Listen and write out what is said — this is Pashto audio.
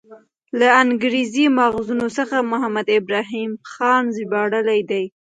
له انګریزي ماخذونو څخه محمد ابراهیم خان ژباړلی دی.